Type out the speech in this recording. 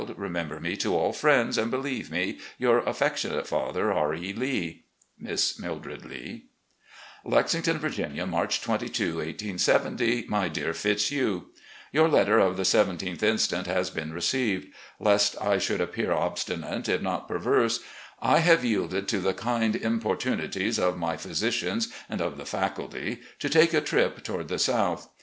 Remember me to all friends, and believe me, " Your affectionate father, R. E. Lee. "Miss Mildred Lee." "Lexington, Vu^inia, March 22, 1870. "My Dear Fitzhugh: Your letter of the 17th inst. has been received. Lest I should appear obstinate, if not perverse, I have yielded to the kind importunities of my physicians and of the faculty to take a trip toward the South.